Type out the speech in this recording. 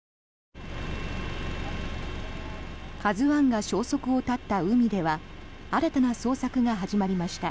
「ＫＡＺＵ１」が消息を絶った海では新たな捜索が始まりました。